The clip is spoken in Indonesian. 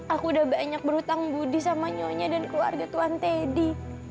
aku udah banyak berhutang budi sama nyonya dan keluarga tuhan teddy